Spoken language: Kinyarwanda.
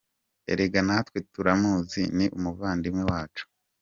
Erega natwe turamuzi, ni umuvandimwe wacu!